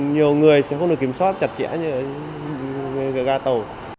nhiều người sẽ không được kiểm soát chặt chẽ như ở ga tàu